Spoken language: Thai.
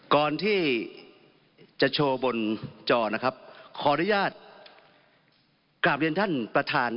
ก่อนที่จะโชว์บนจอนะครับขออนุญาตกราบเรียนท่านประธาน